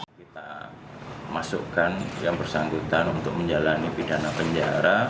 kita masukkan yang bersangkutan untuk menjalani pidana penjara